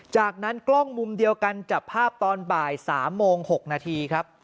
จากนั้นกล้องมุมเดียวกันจับภาพตอนบ่าย๓โมง๖นาทีครับ